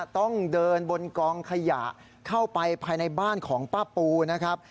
ต้องเดินบนกองขยะเข้าไปภายในบ้านของป้าปูนะครับ